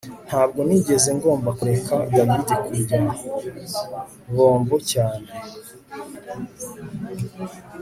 Ntabwo nigeze ngomba kureka David kurya bombo cyane